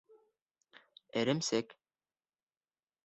Эремсек